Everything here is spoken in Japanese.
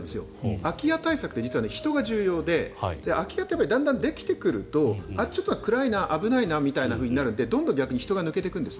空き家対策って実は人が重要で空き家ってだんだんできてくるとちょっと暗いな危ないなみたいになるのでどんどん人が抜けていくんです。